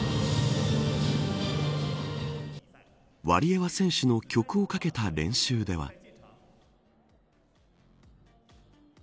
ワリエワ選手の曲をかけた練習では。